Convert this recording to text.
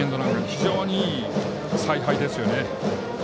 非常にいい采配ですね。